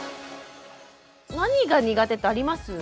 何が苦手ってあります？